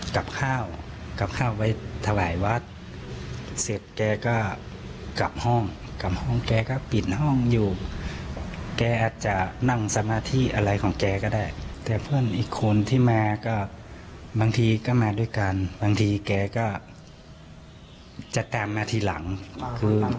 กับข้าวกลับข้าวไว้ถวายวัดเสร็จแกก็กลับห้องกลับห้องแกก็ปิดห้องอยู่แกอาจจะนั่งสมาธิอะไรของแกก็ได้แต่เพื่อนอีกคนที่มาก็บางทีก็มาด้วยกันบางทีแกก็จะตามมาทีหลังคือ